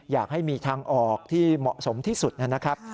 อยากให้มีทางออกที่เหมาะสมที่สุดนะครับ